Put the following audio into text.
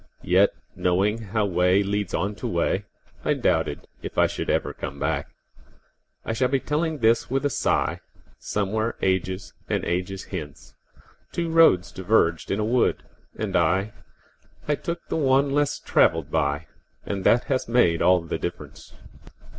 Yet knowing how way leads on to way,I doubted if I should ever come back.I shall be telling this with a sighSomewhere ages and ages hence:Two roads diverged in a wood, and I—I took the one less traveled by, And that has made all the difference.